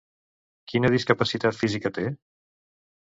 Quina discapacitat física té?